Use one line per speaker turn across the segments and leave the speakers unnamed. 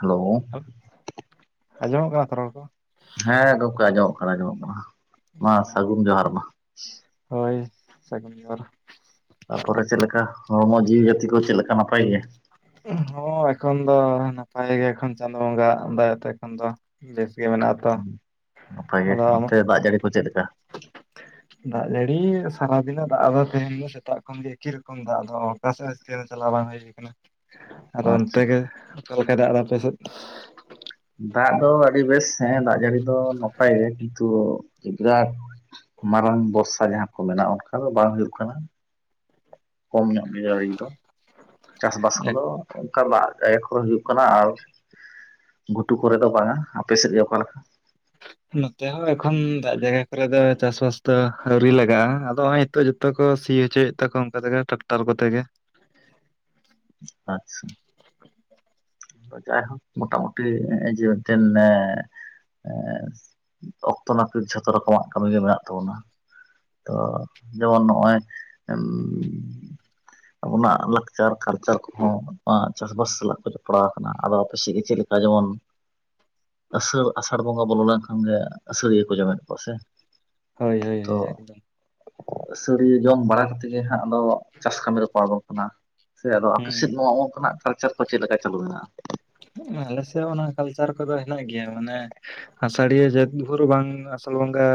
Hello.
ᱟᱸᱡᱚᱢᱚᱜ ᱠᱟᱱᱟ ᱛᱚ ᱨᱚᱲ ᱠᱚ?
ᱦᱮᱸ ᱜᱚᱢᱠᱮ ᱟᱸᱡᱚᱢᱚᱜ ᱠᱟᱱᱟ, ᱟᱸᱡᱚᱢᱚᱜ ᱠᱟᱱᱟ ᱢᱟ ᱥᱟᱹᱜᱩᱱ ᱡᱚᱦᱟᱨ ᱢᱟ ᱾
ᱦᱳᱭ ᱥᱟᱹᱜᱩᱱ ᱡᱚᱦᱟᱨ ᱾
ᱛᱟᱯᱚᱨᱮ ᱪᱮᱫ ᱞᱮᱠᱟ ᱦᱚᱲᱢᱚ ᱡᱤᱣᱤ ᱡᱟᱹᱛᱤ ᱠᱚ ᱪᱮᱫ ᱞᱮᱠᱟ ᱱᱟᱯᱟᱭ ᱜᱮᱭᱟ?
ᱦᱚᱸ ᱮᱠᱷᱚᱱ ᱫᱚ ᱱᱟᱯᱟᱭ ᱜᱮ ᱮᱠᱷᱚᱱ ᱪᱟᱸᱫᱳ ᱵᱚᱸᱜᱟ ᱟᱜ ᱫᱟᱭᱟ ᱛᱮ ᱮᱠᱷᱚᱱ ᱫᱚ ᱾ ᱵᱮᱥ ᱜᱮ ᱢᱮᱱᱟᱜ ᱟ ᱛᱚ
ᱱᱟᱯᱟᱭ ᱜᱮ
ᱟᱫᱚ ᱟᱢᱟᱜ
ᱚᱱᱛᱮ ᱫᱟᱜ ᱡᱟᱹᱲᱤ ᱠᱚ ᱪᱮᱫ ᱞᱮᱠᱟ?
ᱫᱟᱜ ᱡᱟᱹᱲᱤ ᱥᱟᱨᱟᱫᱤᱱ ᱮ ᱫᱟᱜ ᱮᱫᱟ ᱛᱮᱦᱮᱧ ᱫᱚ ᱥᱮᱛᱟᱜ ᱠᱷᱚᱱ ᱜᱮ ᱮᱠᱤ ᱨᱚᱠᱚᱢ ᱫᱟᱜ ᱫᱚ ᱚᱠᱟ ᱥᱮᱫ ᱦᱚ ᱠᱷᱮᱞ ᱪᱟᱞᱟᱣ ᱵᱟᱝ ᱦᱩᱭ ᱠᱟᱱᱟ ᱟᱫᱚ
ᱟᱪᱪᱷᱟ
ᱚᱱᱛᱮ ᱜᱮ ᱚᱠᱟ ᱞᱮᱠᱟᱭ ᱫᱟᱜ ᱮᱫᱟ ᱟᱯᱮ ᱥᱮᱫ?
ᱫᱟᱜ ᱫᱚ ᱟᱹᱰᱤ ᱵᱮᱥ ᱦᱮ ᱫᱟᱜ ᱡᱟᱹᱲᱤ ᱫᱚ ᱱᱟᱯᱟᱭ ᱜᱮ ᱠᱤᱱᱛᱩ ᱵᱤᱨᱟᱴ ᱢᱟᱨᱟᱝ ᱵᱚᱨᱥᱟ ᱡᱟᱦᱟᱸ ᱠᱚ ᱢᱮᱱᱟᱜᱼᱟ ᱚᱱᱠᱟ ᱫᱚ ᱵᱟᱝ ᱦᱩᱭᱩᱜ ᱠᱟᱱᱟ᱾ ᱠᱚᱢ ᱧᱚᱜ ᱜᱮ ᱡᱟᱲᱤ ᱫᱚ ᱪᱟᱥᱵᱟᱥ ᱠᱚᱫᱚ ᱚᱱᱠᱟ ᱫᱟᱜ ᱠᱟᱜᱟᱭ ᱮᱠᱷᱚᱱ ᱦᱩᱭᱩᱜ ᱠᱟᱱᱟ ᱟᱨ ᱜᱷᱩᱴᱩ ᱠᱚᱨᱮ ᱫᱚ ᱵᱟᱝ-ᱟ ᱟᱯᱮ ᱥᱮᱫ ᱜᱮ ᱚᱠᱟ ᱞᱮᱠᱟ? [inaudible]
ᱱᱚᱛᱮ ᱦᱚᱸ ᱮᱠᱷᱚᱱ ᱫᱟᱜ ᱡᱟᱭᱜᱟ ᱠᱚᱨᱮ ᱫᱚ ᱪᱟᱥᱵᱟᱥ ᱫᱚ ᱟᱣᱨᱤ ᱞᱟᱜᱟᱜᱼᱟ ᱟᱫᱚ ᱚᱭ ᱛᱚ ᱡᱚᱛᱚ ᱠᱚ ᱥᱤ ᱦᱚᱪᱚᱭᱮᱫ ᱛᱟᱠᱚ ᱚᱝᱠᱟ ᱛᱮᱜᱮ ᱴᱟᱠᱴᱟᱨ ᱠᱚᱛᱮ ᱜᱮ
ᱟᱪᱪᱷᱟ ᱛᱳ ᱡᱟᱭᱦᱳᱠ ᱢᱚᱴᱟᱢᱩᱴᱤ ᱱᱮᱜᱮ ᱡᱮ ᱢᱮᱫᱴᱮᱱ ᱮ ᱚᱠᱛᱚ ᱱᱟᱯᱤᱛ ᱡᱷᱚᱛᱚ ᱨᱚᱠᱚᱢᱟᱜ ᱠᱟᱹᱢᱤᱜᱮ ᱢᱮᱱᱟᱜ ᱛᱟᱵᱚᱱᱟ᱾ ᱛᱚ ᱡᱮᱢᱚᱱ ᱱᱚᱜᱼᱚᱭ ᱟᱵᱚᱱᱟᱜ ᱞᱟᱠᱪᱟᱨ ᱠᱟᱞᱪᱟᱨ ᱠᱚᱦᱚᱸ ᱟᱵᱚᱱᱟᱜ ᱪᱟᱥᱵᱟᱥ ᱥᱟᱞᱟᱜ ᱠᱚ ᱡᱚ ᱯᱟᱲᱟᱣ ᱠᱟᱱᱟ ᱟᱫᱚ ᱟᱯᱮ ᱥᱮᱫ ᱜᱮ ᱪᱮᱫ ᱞᱮᱠᱟ ᱡᱮᱢᱚᱱ ᱟᱥᱟᱲ ᱟᱥᱟᱹᱲ ᱵᱚᱸᱜᱟ ᱵᱚᱞᱚ ᱞᱮᱱᱠᱷᱟᱱ ᱜᱮ ᱟᱹᱥᱟᱹᱲᱤᱭᱟᱹ ᱠᱚ ᱡᱚᱢᱮᱫ ᱠᱚᱣᱟ ᱥᱮ?
ᱦᱳᱭ ᱦᱳᱭ
ᱛᱚ
ᱦᱳᱭ ᱮᱠᱫᱚᱢ᱾
ᱟᱹᱥᱟᱹᱲᱤᱭᱟᱹ ᱡᱚᱢ ᱵᱟᱲᱟ ᱠᱟᱛᱮ ᱜᱮ ᱦᱟᱸᱜ ᱟᱫᱚ ᱪᱟᱥ ᱠᱟᱹᱢᱤ ᱨᱮᱠᱚ ᱟᱲᱜᱚ ᱠᱟᱱᱟ᱾ ᱥᱮ ᱟᱫᱚ ᱟᱯᱮ
ᱦᱩᱸ
ᱥᱮᱫ ᱱᱚᱣᱟ ᱚᱝᱠᱟᱱᱟᱜ ᱠᱟᱞᱪᱟᱨ ᱠᱚ ᱪᱮᱫ ᱞᱮᱠᱟ ᱪᱟᱹᱞᱩ ᱢᱮᱱᱟᱜᱼᱟ?
ᱟᱞᱮ ᱥᱮᱜ ᱦᱚᱸ ᱚᱱᱟ ᱠᱟᱞᱪᱟᱨ ᱠᱚᱫᱚ ᱦᱮᱱᱟᱜ ᱜᱮᱭᱟ ᱢᱟᱱᱮ ᱟᱥᱟᱲᱤᱭᱟᱹ ᱡᱟᱹᱛ ᱵᱷᱩᱨ ᱵᱟᱝ ᱟᱥᱟᱲ ᱵᱚᱸᱜᱟ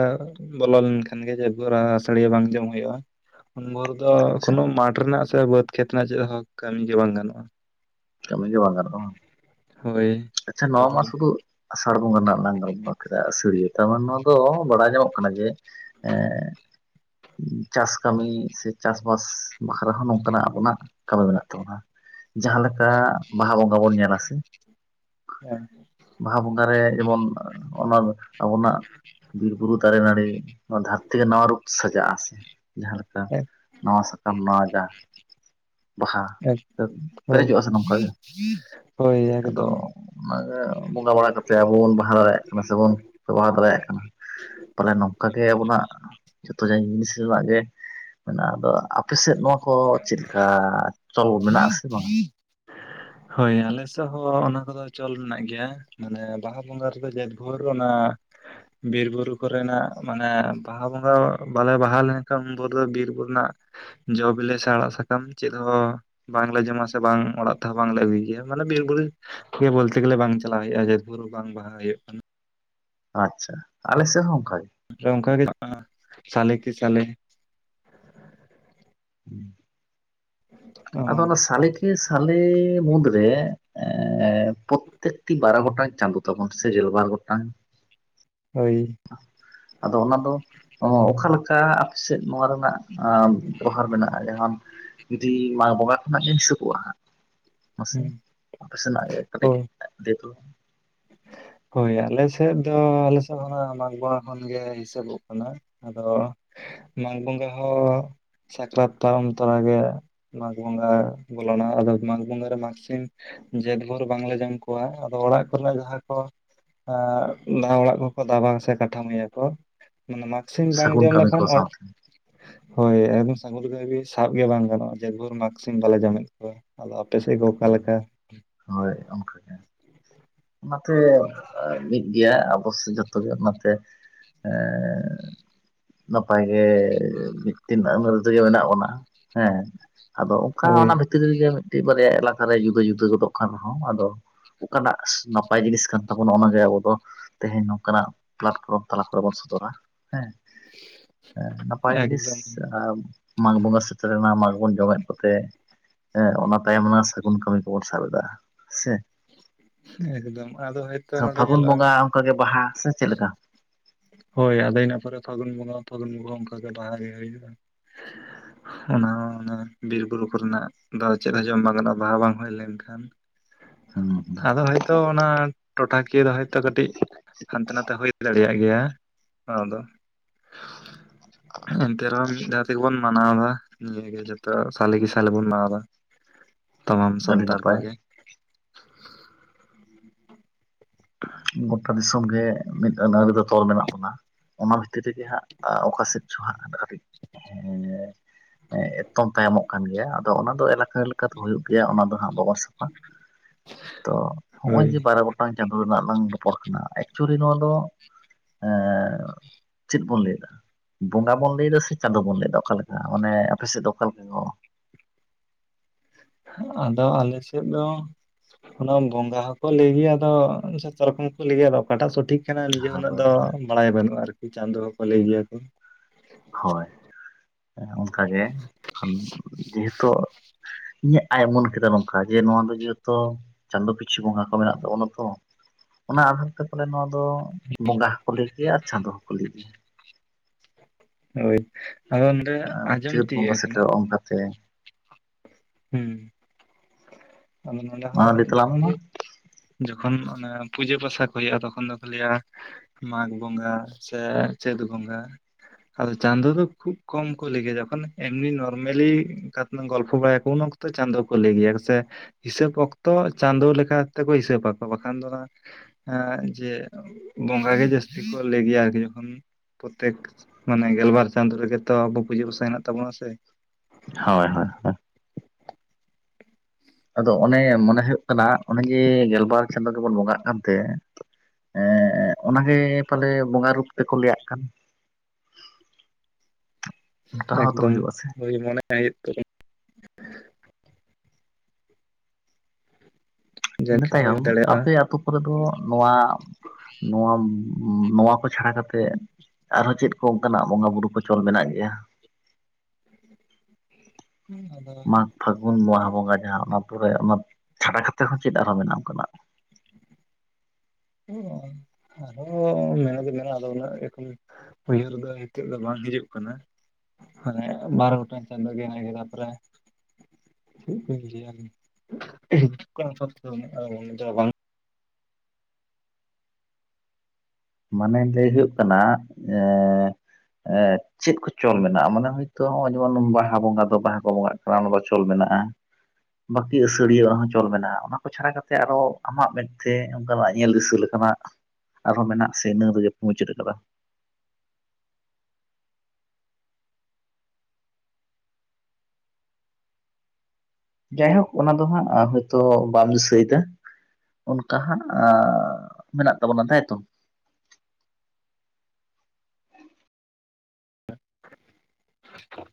ᱵᱚᱞᱚ ᱞᱮᱱᱠᱷᱟᱱ ᱜᱮ ᱡᱟᱹᱛ ᱵᱷᱩᱨ ᱟᱹᱥᱟᱲᱤᱭᱟᱹ ᱵᱟᱝ ᱡᱚᱢ ᱦᱩᱭᱩᱜᱼᱟ᱾ ᱩᱱ ᱵᱷᱳᱨ ᱫᱚ
ᱟᱪᱪᱷᱟ
ᱠᱚᱱᱚ ᱢᱟᱴ ᱨᱮᱱᱟᱜ ᱥᱮ ᱵᱟᱹᱫᱽ ᱠᱷᱮᱛ ᱨᱮᱱᱟᱜ ᱪᱮᱫ ᱦᱚᱸ ᱠᱟᱹᱢᱤ ᱜᱮ ᱵᱟᱝ ᱜᱟᱱᱚᱜᱼᱟ᱾
ᱠᱟᱹᱢᱤ ᱜᱮ ᱵᱟᱝ ᱜᱟᱱᱚᱜ-ᱟ᱾
ᱦᱳᱭ
ᱟᱪᱪᱷᱟ ᱱᱚᱶᱟ
ᱟᱫᱚ
ᱢᱟ ᱥᱩᱫᱩ ᱟᱥᱟᱲ ᱵᱚᱸᱜᱟ ᱨᱮᱱᱟᱜ ᱞᱟᱝ ᱜᱚᱞᱯᱷᱚ ᱠᱮᱫᱟ ᱟᱹᱥᱟᱹᱲᱤᱭᱟᱹ ᱛᱟᱨ ᱢᱟᱱᱮ ᱱᱚᱣᱟ ᱫᱚ ᱵᱟᱲᱟᱭ ᱧᱟᱢᱚᱜ ᱠᱟᱱᱟ ᱡᱮ ᱮᱸᱜ ᱪᱟᱥ ᱠᱟᱹᱢᱤ ᱥᱮ ᱪᱟᱥᱵᱟᱥ ᱵᱟᱠᱷᱨᱟ ᱦᱚᱸ ᱱᱚᱝᱠᱟᱱᱟᱜ ᱟᱵᱚᱱᱟᱜ ᱠᱟᱹᱢᱤ ᱢᱮᱱᱟᱜ ᱛᱟᱵᱩᱱᱟ᱾ ᱡᱟᱦᱟᱸ ᱞᱮᱠᱟ ᱵᱟᱦᱟ ᱵᱚᱸᱜᱟ ᱵᱚᱱ ᱧᱮᱞᱟ ᱥᱮ
ᱮᱢ
ᱵᱟᱦᱟ ᱵᱚᱸᱜᱟ ᱨᱮ ᱡᱮᱢᱚᱱ ᱚᱱᱟ ᱟᱵᱚᱱᱟᱜ ᱵᱤᱨ ᱵᱩᱨᱩ ᱫᱟᱨᱮ ᱱᱟᱹᱲᱤ ᱱᱚᱣᱟ ᱫᱷᱟᱹᱨᱛᱤ ᱜᱮ ᱱᱟᱣᱟ ᱨᱩᱯ ᱛᱮ ᱥᱟᱡᱟᱜᱼᱟ ᱥᱮ ᱡᱟᱦᱟᱸᱞᱮᱠᱟ ᱱᱟᱣᱟ ᱥᱟᱠᱟᱢ ᱱᱟᱣᱟ ᱡᱟᱸ ᱵᱟᱦᱟ ᱥᱮ
ᱦᱳᱭ
ᱯᱮᱨᱮᱡᱚᱜᱼᱟ ᱥᱮ ᱱᱚᱝᱠᱟ ᱜᱮ
ᱦᱳᱭ
ᱟᱫᱚ
ᱮᱠᱫᱚᱢ
ᱚᱱᱟᱜᱮ ᱵᱚᱸᱜᱟ ᱵᱟᱲᱟ ᱠᱟᱛᱮ ᱟᱵᱚ ᱵᱚᱱ ᱵᱟᱦᱟ ᱫᱟᱲᱮᱭᱟᱜ ᱠᱟᱱᱟ ᱥᱮᱵᱚᱱ ᱵᱮᱵᱚᱦᱟᱨ ᱫᱟᱲᱮᱭᱟᱜ ᱠᱟᱱᱟ᱾ ᱯᱟᱞᱮ ᱱᱚᱝᱠᱟ ᱜᱮ ᱟᱵᱚᱱᱟᱜ ᱡᱷᱚᱛᱚ ᱡᱤᱱᱤᱥ ᱨᱮᱱᱟᱜ ᱜᱮ ᱢᱮᱱᱟᱜᱼᱟ ᱟᱫᱚ ᱟᱯᱮᱥᱮᱫ ᱱᱚᱣᱟ ᱠᱚ ᱪᱮᱫ ᱠᱟ ᱪᱚᱞ ᱢᱮᱱᱟᱜ ᱥᱮ ᱵᱟᱝ?
ᱦᱳᱭ ᱟᱞᱮᱥᱮᱫ ᱦᱚᱸ ᱚᱱᱟ ᱠᱚᱫᱚ ᱪᱚᱞ ᱢᱮᱱᱟᱜ ᱜᱮᱭᱟ᱾ ᱢᱟᱱᱮ ᱵᱟᱦᱟ ᱵᱚᱸᱜᱟ ᱨᱮᱫᱚ ᱡᱮᱫ ᱵᱷᱳᱨ ᱚᱱᱟ ᱵᱤᱨ ᱵᱩᱨᱩ ᱠᱚᱨᱮᱱᱟᱜ ᱢᱟᱱᱮ ᱵᱟᱦᱟ ᱵᱚᱸᱜᱟ ᱵᱟᱞᱮ ᱵᱟᱦᱟ ᱞᱮᱱᱠᱷᱟᱱ ᱩᱱᱵᱩᱨᱩ ᱫᱚ ᱵᱤᱨ ᱵᱩᱨᱩ ᱨᱮᱱᱟᱜ ᱡᱚ ᱵᱮᱞᱮ ᱥᱮ ᱟᱲᱟᱜ ᱥᱟᱠᱟᱢ ᱪᱮᱫ ᱦᱚᱸ ᱵᱟᱝᱞᱮ ᱡᱚᱢᱟ ᱥᱮ ᱵᱟᱝ ᱚᱲᱟᱜ ᱛᱮᱦᱚ ᱵᱟᱝᱞᱮ ᱟᱹᱜᱩᱭ ᱜᱮᱭᱟ ᱢᱟᱱᱮ ᱵᱤᱨ ᱵᱩᱨᱩ ᱜᱮ ᱵᱚᱞᱛᱮ ᱜᱮᱞᱮ ᱵᱟᱝ ᱪᱟᱞᱟᱣ ᱦᱩᱭᱩᱜᱼᱟ ᱡᱮᱫ ᱵᱷᱩᱨ ᱵᱟᱝ ᱵᱟᱦᱟ ᱦᱩᱭᱩᱜ ᱠᱟᱱᱟ᱾
ᱟᱪᱪᱷᱟ ᱟᱞᱮ ᱥᱮᱜ ᱦᱚᱸ ᱚᱝᱠᱟ ᱜᱮ᱾
ᱚᱱᱠᱟ ᱜᱮ ᱥᱟᱞᱮ ᱠᱮ ᱥᱟᱞᱮ
[unintelligible]
ᱚ
ᱟᱫᱚ ᱚᱱᱟ ᱥᱟᱞᱮ ᱠᱮ ᱥᱟᱞᱮ ᱢᱩᱫᱽᱨᱮ ᱯᱨᱚᱛᱛᱮᱠᱴᱤ ᱵᱟᱨ ᱜᱚᱴᱟᱝ- ᱪᱟᱸᱫᱳ ᱛᱟᱵᱚᱱ ᱥᱮ ᱜᱮᱞ ᱵᱟᱨ ᱜᱚᱴᱟᱝ
ᱦᱳᱭ ᱾
ᱟᱫᱚ ᱚᱱᱟ ᱫᱚ ᱚᱠᱟᱞᱮᱠᱟ ᱟᱯᱮ ᱥᱮᱫ ᱱᱚᱣᱟ ᱨᱮᱱᱟᱜ ᱵᱮᱵᱚᱦᱟᱨ ᱢᱮᱱᱟᱜ-ᱟ ᱡᱟᱦᱟᱸ ᱡᱩᱫᱤ ᱢᱟᱜᱽ ᱵᱚᱸᱜᱟ ᱠᱷᱚᱱᱟᱜ ᱜᱮ ᱦᱤᱥᱟᱵ ᱠᱚᱜ-ᱟ ᱢᱟᱥᱮ
ᱦᱩᱸ
ᱟᱯᱮ ᱥᱮᱱᱟᱜ ᱠᱟᱹᱴᱤᱡ
ᱦᱳᱭ
ᱫᱮᱠᱳ
ᱦᱳᱭ ᱟᱞᱮ ᱥᱮᱫ ᱫᱚ ᱟᱞᱮ ᱥᱮᱫ ᱠᱷᱚᱱ ᱢᱟᱜᱽ ᱵᱚᱸᱜᱟ ᱠᱷᱚᱱ ᱜᱮ ᱦᱤᱥᱟᱹᱵᱚᱜ ᱠᱟᱱᱟ ᱟᱫᱚ ᱢᱟᱜᱽ ᱵᱚᱸᱜᱟ ᱦᱚᱸ ᱥᱟᱠᱨᱟᱛ ᱛᱟᱭᱚᱢ ᱛᱚ ᱢᱟᱜᱽ ᱵᱚᱸᱜᱟ ᱵᱚᱞᱚᱱᱟ᱾ ᱟᱫᱚ ᱢᱟᱜᱽ ᱵᱚᱸᱜᱟ ᱢᱟᱜᱽ ᱥᱤᱢ ᱡᱮᱫ ᱵᱷᱳᱨ ᱵᱟᱝᱞᱮ ᱡᱚᱢ ᱠᱚᱣᱟ ᱟᱫᱚ ᱚᱲᱟᱜ ᱠᱚᱨᱮᱱᱟᱜ ᱡᱟᱦᱟᱸ ᱠᱚ ᱱᱟᱣᱟ ᱚᱲᱟᱜ ᱠᱚᱠᱚ ᱫᱟᱵᱟ ᱥᱮ ᱠᱟᱴᱷᱟᱢᱳᱭᱟ ᱠᱚ ᱢᱟᱱᱮ ᱢᱟᱜ ᱥᱤᱢ ᱵᱟᱝ
ᱥᱟᱹᱜᱩᱱ
ᱡᱚᱢ
ᱠᱟᱹᱢᱤ ᱠᱚ
ᱞᱮᱠᱷᱟᱱ ᱚᱲᱟᱜ
ᱥᱟᱶᱛᱮ
ᱦᱳᱭ ᱮᱠᱫᱚᱢ ᱥᱟᱹᱜᱩᱱ ᱜᱮ ᱥᱟᱵ ᱜᱮ ᱵᱟᱝ ᱜᱟᱱᱚᱜᱼᱟ ᱡᱚᱛ ᱵᱷᱳᱨ ᱢᱟᱜᱽ ᱥᱤᱢ ᱵᱟᱞᱮ ᱡᱚᱢᱮᱫ ᱠᱚᱣᱟ ᱟᱫᱚ ᱟᱯᱮ ᱥᱮᱫ ᱜᱮ ᱚᱠᱟᱞ ᱞᱮᱠᱟ?
ᱦᱳᱭ ᱚᱱᱠᱟᱜᱮ ᱚᱱᱟᱛᱮ ᱢᱤᱫ ᱜᱮᱭᱟ ᱟᱵᱚᱥᱮᱜ ᱡᱚᱛᱚ ᱜᱮ ᱚᱱᱟᱛᱮ ᱮᱸᱻᱻ ᱱᱟᱯᱟᱭ ᱜᱮ ᱢᱤᱫᱴᱤᱱ ᱟᱹᱱᱟᱹᱨᱤ ᱛᱮᱜᱮ ᱢᱮᱱᱟᱜ ᱵᱚᱱᱟ ᱦᱮᱸ ᱟᱫᱚ ᱚᱱᱠᱟ
ᱦᱳᱭ
ᱚᱱᱟ ᱵᱷᱤᱛᱨᱤ ᱨᱮᱜᱮ ᱢᱤᱫᱴᱤᱡ ᱵᱟᱨᱭᱟ ᱮᱞᱟᱠᱟᱨᱮ ᱡᱩᱫᱟᱹ ᱡᱩᱫᱟᱹ ᱜᱚᱫᱚᱜ ᱠᱟᱱ ᱨᱮᱦᱚᱸ ᱟᱫᱚ ᱚᱠᱟᱱᱟᱜ ᱱᱟᱯᱟᱭ ᱡᱤᱱᱤᱥ ᱠᱟᱱ ᱛᱟᱵᱚᱱᱟ ᱚᱱᱟᱜᱮ ᱟᱵᱚ ᱫᱚ ᱛᱮᱦᱮᱧ ᱱᱚᱝᱠᱟᱱᱟᱜ ᱯᱞᱟᱴᱯᱷᱨᱚᱢ ᱛᱟᱞᱟ ᱠᱚᱨᱮ ᱵᱚᱱ ᱥᱚᱫᱚᱨᱟ ᱾ ᱦᱮᱸ ᱱᱟᱯᱟᱭ ᱡᱤᱱᱤᱥ
ᱮᱠᱫᱚᱢ
ᱢᱟᱜᱽ ᱵᱚᱸᱜᱟ ᱥᱮᱴᱮᱨᱮᱱᱟ ᱢᱟᱜᱽ ᱵᱚᱱ ᱡᱚᱢᱮᱫ ᱠᱚᱛᱮᱸ ᱚᱱᱟ ᱛᱟᱭᱚᱢ ᱵᱚᱱ ᱠᱟᱹᱢᱤ ᱠᱚᱵᱚᱱ ᱥᱟᱵ ᱮᱫᱟ ᱾
ᱮᱠᱫᱚᱢ ᱟᱫᱚ ᱦᱳᱭ
ᱯᱷᱟᱹᱜᱩᱱ ᱵᱚᱸᱜᱟ ᱚᱱᱠᱟᱜ ᱜᱮ ᱵᱟᱦᱟ ᱥᱮ ᱪᱮᱫ ᱞᱮᱠᱟ?
ᱦᱳᱭ ᱟᱫᱚ ᱤᱱᱟ ᱯᱚᱨᱮ ᱯᱷᱟᱹᱜᱩᱱ ᱵᱚᱸᱜᱟ ᱯᱷᱟᱹᱜᱩᱱ ᱵᱚᱸᱜᱟ ᱚᱱᱠᱟᱜᱮ ᱵᱟᱦᱟ ᱜᱮ ᱦᱩᱭᱩᱜ-ᱟ᱾
[inaudible]
ᱚᱱᱟ ᱦᱚᱸ ᱚᱱᱮ ᱵᱤᱨ ᱵᱩᱨᱩ ᱠᱚᱨᱮᱱᱟᱜ ᱫᱚ ᱪᱮᱫ ᱦᱚᱸ ᱡᱚᱢ ᱵᱟᱝ ᱜᱟᱱᱚᱜ-ᱟ ᱵᱟᱦᱟ ᱵᱟᱝ ᱦᱩᱭ ᱞᱮᱱᱠᱷᱟᱱ
ᱦᱩᱸ ᱦᱩᱸ
ᱟᱫᱚ ᱦᱚᱭᱛᱳ ᱚᱱᱟ ᱴᱚᱴᱷᱟᱠᱤᱭᱟᱹ ᱫᱚ ᱦᱳᱭᱛᱳ ᱠᱟᱹᱴᱤᱡ ᱦᱟᱱᱛᱮ ᱱᱟᱛᱮ ᱦᱩᱭ ᱫᱟᱲᱮᱭᱟᱜ ᱜᱮᱭᱟ ᱟᱫᱚ
[inaudible]
ᱮᱱᱛᱮ ᱨᱮᱦᱚᱸ ᱢᱤᱫ ᱫᱷᱟᱣ ᱛᱮᱜᱮᱵᱚᱱ ᱢᱟᱱᱟᱣ ᱫᱟ ᱱᱤᱭᱟᱹᱜᱮ ᱡᱚᱛᱚ ᱥᱟᱞᱮ ᱜᱮ ᱥᱟᱞᱮ ᱵᱚᱱ ᱢᱟᱱᱟᱣ ᱫᱟ ᱾
[inaudible]
ᱛᱟᱢᱟᱢ
ᱟᱹᱰᱤ
ᱥᱟᱱᱛᱟᱲ
ᱱᱟᱯᱟᱭ
ᱠᱚᱜᱮ ᱾
ᱜᱚᱴᱟ ᱫᱤᱥᱚᱢ ᱜᱮ ᱢᱤᱫ ᱟᱹᱱ ᱟᱹᱨᱤ ᱫᱚ ᱛᱚᱞ ᱢᱮᱱᱟᱜ ᱵᱚᱱᱟ ᱾ ᱚᱱᱟ ᱵᱷᱤᱛᱤᱨ ᱨᱮᱜᱮ ᱦᱟᱸᱜ ᱚᱠᱟ ᱥᱮᱫ ᱪᱚ ᱦᱟᱸᱜ ᱮᱛᱚᱢ ᱛᱟᱭᱚᱢᱚᱜ ᱠᱟᱱ ᱜᱮᱭᱟ ᱟᱫᱚ ᱚᱱᱟ ᱫᱚ ᱮᱞᱟᱠᱟ ᱞᱮᱠᱟᱛᱮ ᱦᱩᱭᱩᱜ ᱜᱮᱭᱟ ᱚᱱᱟ ᱫᱚ ᱦᱟᱸᱜ ᱵᱟᱵᱚᱱ ᱥᱟᱵ ᱟ ᱾ ᱛᱚ ᱱᱚᱜ-ᱚᱭ ᱡᱮ
ᱦᱳᱭ
ᱵᱟᱨᱚ ᱜᱚᱴᱟᱝ ᱪᱟᱸᱫᱳ ᱨᱮᱱᱟᱜ ᱞᱟᱝ ᱨᱚᱯᱚᱲ ᱠᱟᱱᱟ ᱮᱠᱪᱩᱭᱮᱞᱤ ᱱᱚᱣᱟ ᱫᱚ ᱮ ᱪᱮᱫ ᱵᱚᱱ ᱞᱟᱹᱭ ᱮᱫᱟ ᱾ ᱵᱚᱸᱜᱟ ᱵᱚᱱ ᱞᱟᱹᱭ ᱫᱟ ᱥᱮ ᱪᱟᱸᱫᱳ ᱵᱚᱱ ᱞᱟᱹᱭᱮᱫᱟ ᱚᱠᱟᱞᱮ ᱞᱮᱠᱟ ᱢᱟᱱᱮ ᱟᱯᱮ ᱥᱮᱫ ᱫᱚ ᱚᱠᱟ ᱞᱮᱠᱟ ᱠᱚ
ᱟᱫᱚ ᱟᱞᱮ ᱥᱮᱫ ᱫᱚ ᱚᱱᱟ ᱵᱚᱸᱫᱟ ᱦᱚᱸᱠᱚ ᱞᱟᱹᱭ ᱜᱮᱭᱟ ᱟᱫᱚ ᱡᱮ ᱡᱟᱨ ᱨᱚᱠᱚᱢ ᱠᱚ ᱞᱟᱹᱭᱟ ᱟᱫᱚ ᱚᱠᱟᱴᱟᱜ ᱥᱚᱴᱷᱤᱠ ᱠᱟᱱᱟ ᱱᱤᱡᱮ ᱩᱱᱟᱜ ᱫᱚ ᱵᱟᱲᱟᱭ ᱵᱟᱹᱱᱩᱜᱼᱟ ᱟᱨᱠᱤ ᱪᱟᱸᱫᱚ ᱦᱚᱸᱠᱚ ᱞᱟᱹᱭ ᱜᱮᱭᱟ ᱠᱚ᱾
ᱦᱳᱭ ᱮ ᱚᱱᱠᱟ ᱜᱮ ᱦᱩᱢ ᱡᱮᱦᱮᱛᱳ ᱤᱧᱟᱹᱜ ᱟᱭ ᱩᱢᱟᱹᱱ ᱠᱮᱫᱟ ᱱᱚᱝᱠᱟ ᱡᱮ ᱱᱚᱣᱟ ᱫᱚ ᱡᱚᱛᱚ ᱪᱟᱸᱫᱳ ᱯᱤᱪᱷᱩ ᱵᱚᱸᱜᱟ ᱠᱚ ᱢᱮᱱᱟᱜ ᱛᱵᱚᱱᱟ ᱛᱚ᱾ ᱚᱱᱟ ᱟᱫᱷᱟᱨ ᱛᱮ ᱯᱟᱞᱮ ᱱᱚᱣᱟ ᱫᱚ ᱵᱚᱸᱜᱟ ᱦᱚᱸᱠᱚ ᱞᱟᱹᱭ ᱠᱮᱭᱟ ᱟᱨ ᱪᱟᱸᱫᱚ ᱦᱚᱸᱠᱚ ᱞᱟᱹᱭ ᱜᱮ᱾
ᱦᱳᱭ ᱟᱫᱚ ᱚᱸᱰᱮ ᱟᱸᱡᱚᱢ ᱛᱤᱭᱟᱹᱜ ᱟᱠᱟᱱᱟ᱾
ᱥᱮ
ᱦᱩᱸ, ᱟᱫᱚ ᱱᱚᱰᱮ
ᱢᱟ
ᱦᱚᱸ
ᱞᱟᱹᱭ ᱛᱟᱞᱟᱝ
ᱡᱚᱠᱷᱚᱱ
ᱢᱮ ᱢᱟ
ᱜᱮ ᱡᱚᱠᱷᱚᱱ ᱚᱱᱟ ᱯᱩᱡᱟᱹ ᱯᱟᱥᱟ ᱠᱚ ᱦᱳᱭᱳᱜᱼᱟ ᱛᱚᱠᱷᱚᱱ ᱫᱚᱠᱚ ᱞᱟᱹᱭᱟ ᱢᱟᱜᱽ ᱵᱚᱸᱜᱟ ᱥᱮ ᱟᱨ ᱪᱟᱹᱫ ᱵᱚᱸᱜᱟ᱾ ᱟᱫᱚ ᱪᱟᱸᱫᱳ ᱫᱚ ᱠᱷᱩᱵ ᱠᱚᱢ ᱠᱚ ᱞᱮ ᱜᱮᱭᱟ ᱡᱚᱠᱷᱱ ᱮᱢᱱᱤ ᱱᱚᱨᱢᱮᱞᱤ ᱠᱟᱛ ᱜᱚᱞᱯᱷᱚ ᱵᱟᱭᱟ ᱩᱱ ᱚᱠᱛᱚ ᱪᱟᱸᱫᱳ ᱠᱚ ᱞᱟᱹᱭ ᱜᱮᱭᱟ ᱠᱚ ᱥᱮ᱾ ᱦᱤᱥᱟᱹᱯ ᱚᱠᱛᱚ ᱪᱟᱸᱫᱳ ᱞᱮᱠᱟ ᱛᱮᱠᱚ ᱦᱤᱥᱟᱹᱯ ᱟᱠᱚ ᱵᱟᱠᱷᱟᱱ ᱫᱚ ᱚᱱᱟ ᱮᱸ ᱡᱮ ᱵᱚᱸᱜᱟ ᱜᱮ ᱡᱟᱹᱥᱛᱤ ᱠᱚ ᱞᱟᱹᱭ ᱜᱮᱭᱟ ᱟᱨᱠᱤ ᱡᱚᱠᱷᱚᱱ ᱯᱚᱛᱮᱠ ᱢᱟᱱᱮ ᱜᱮᱞᱵᱟᱨ ᱪᱟᱸᱫᱳ ᱨᱮᱜᱮ ᱛᱚ ᱟᱵᱚ ᱯᱩᱡᱟᱹ ᱯᱟᱥᱟ ᱦᱮᱱᱟᱜ ᱛᱟᱵᱚᱱᱟ ᱥᱮ᱾
ᱦᱚᱭ ᱦᱚᱭ ᱦᱚ᱾ ᱟᱫᱚ ᱚᱱᱮ ᱢᱚᱱᱮ ᱦᱩᱭᱩᱜ ᱠᱟᱱᱟ ᱚᱱᱮ ᱡᱮ ᱜᱮᱞᱵᱟᱨ ᱪᱟᱸᱫᱳ ᱜᱮᱵᱚᱱ ᱵᱚᱸᱜᱟᱜ ᱠᱟᱱᱛᱮ ᱮᱸ ᱮᱸᱜ ᱚᱱᱟᱜᱮ ᱯᱟᱞᱮ ᱵᱚᱸᱜᱟ ᱨᱩᱯ ᱛᱮᱠᱚ ᱞᱮᱹᱭᱟᱜ ᱠᱟᱱ᱾ [inaudible] ᱚᱱᱠᱟ ᱦᱚᱸᱛᱚ
ᱮᱠᱫᱚᱢ
ᱦᱩᱭᱩᱜᱼᱟ ᱥᱮ
ᱦᱳᱭ ᱢᱚᱱᱮ [unintelligible]
ᱤᱱᱟᱹ
ᱡᱮᱠᱷᱟᱱ ᱦᱩᱭ
ᱛᱟᱭᱚᱢ
ᱫᱟᱲᱮᱭᱟᱜᱼᱟ
ᱟᱯᱮ ᱟᱛᱳ ᱠᱚᱨᱮ ᱫᱚ ᱱᱚᱣᱟ ᱱᱚᱣᱟᱢ ᱱᱚᱣᱟ ᱠᱚ ᱪᱷᱟᱲᱟ ᱠᱟᱛᱮᱜ ᱟᱨᱦᱚ ᱪᱮᱫ ᱠᱚ ᱚᱱᱠᱟᱱᱟᱜ ᱵᱚᱸᱜᱟ ᱵᱩᱨᱩ ᱠᱚ ᱪᱚᱞ ᱢᱮᱱᱟᱜ ᱜᱮᱭᱟ?
ᱦᱩᱢ ᱟᱫᱚ
ᱟᱸ ᱯᱷᱟᱹᱜᱩᱱ ᱵᱟᱦᱟ ᱵᱚᱸᱜᱟ ᱡᱟᱦᱟᱸ ᱚᱱᱟ ᱯᱚᱨᱮ ᱚᱱᱟ ᱪᱷᱟᱰᱟ ᱠᱟᱛᱮ ᱦᱚᱸ ᱪᱮᱫ ᱟᱨᱦᱚ ᱢᱮᱱᱟᱜᱼᱟ ᱚᱱᱠᱟᱱᱟᱜ?
ᱮᱸ ᱟᱨᱦᱚᱸ ᱢᱮᱱᱟᱜ ᱫᱚ ᱢᱮᱱᱟᱜᱼᱟ ᱟᱫᱚ ᱩᱱᱟᱜ [unintelligible] ᱩᱭᱦᱟᱹᱨ ᱫᱚ ᱮᱱᱛᱮᱜ ᱫᱚ ᱵᱟᱝ ᱦᱤᱡᱩᱜ ᱠᱟᱱᱟ᱾ ᱦᱮ ᱵᱟᱨ ᱜᱚᱴᱟᱝ ᱪᱟᱸᱫᱳ ᱜᱮ [unintelligible] ᱦᱩᱭᱩᱜ ᱠᱟᱱ ᱜᱮᱭᱟᱢ [unintelligible] ᱵᱟᱝ᱾
ᱢᱟᱱᱮ ᱞᱟᱹᱭ ᱦᱩᱭᱩᱜ ᱠᱟᱱᱟ ᱮᱸ ᱮᱸ ᱪᱮᱫ ᱠᱚ ᱪᱚᱞ ᱢᱮᱱᱟᱜᱼᱟ ᱢᱟᱱᱮ ᱦᱳᱭᱛᱳ ᱦᱚᱜᱼᱚᱭ ᱡᱮᱢᱚᱱ ᱵᱟᱦᱟ ᱵᱚᱸᱜᱟ ᱫᱚ ᱵᱟᱦᱟ ᱠᱚ ᱵᱚᱸᱜᱟᱜ ᱠᱟᱱᱟ ᱚᱱᱟ ᱫᱚ ᱪᱚᱞ ᱢᱮᱱᱟᱜᱼᱟ᱾ ᱵᱟᱹᱠᱤ ᱟᱹᱥᱟᱹᱲᱤᱭᱟᱹᱜ ᱦᱚᱸ ᱪᱚᱞ ᱢᱮᱱᱟᱜᱼᱟ, ᱚᱱᱟ ᱠᱚ ᱪᱷᱟᱲᱟ ᱠᱟᱛᱮ ᱟᱨᱚ ᱟᱢᱟᱜ ᱢᱮᱫ ᱛᱮ ᱚᱱᱠᱟᱱᱟᱜ ᱧᱮᱞ ᱫᱤᱥᱟᱹ ᱞᱮ ᱠᱟᱱᱟᱜ ᱟᱨᱦᱚᱸ ᱢᱮᱱᱟᱜ ᱥᱮ ᱤᱱᱟᱹ ᱨᱮᱜᱮ ᱢᱩᱪᱟᱹᱫ ᱟᱠᱟᱫᱟ? ᱡᱟᱭᱦᱳᱠ ᱚᱱᱟ ᱫᱚ ᱦᱟᱸᱜ ᱟ ᱦᱳᱭᱛᱳ ᱵᱟᱢ ᱫᱤᱥᱟᱹᱭ ᱫᱟ᱾ ᱚᱱᱠᱟ ᱦᱟᱸᱜ ᱟ ᱢᱮᱱᱟᱜ ᱛᱟᱵᱚᱱᱟ ᱛᱟᱭᱛᱚ᱾
[inaudible]